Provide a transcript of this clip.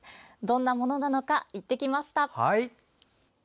どんなものなのか行ってきました。